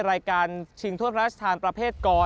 รายการชิงถ้วยพระราชทานประเภทกร